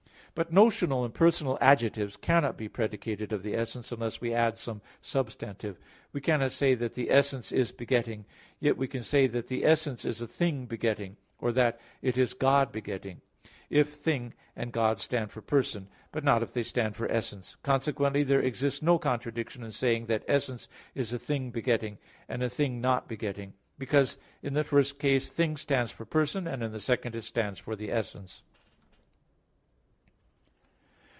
But notional and personal adjectives cannot be predicated of the essence unless we add some substantive. We cannot say that the "essence is begetting"; yet we can say that the "essence is a thing begetting," or that it is "God begetting," if "thing" and God stand for person, but not if they stand for essence. Consequently there exists no contradiction in saying that "essence is a thing begetting," and "a thing not begetting"; because in the first case "thing" stands for person, and in the second it stands for the essence.